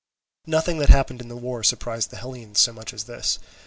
Nothing that happened in the war surprised the Hellenes so much as this.